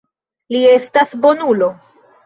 Li estas bonulo.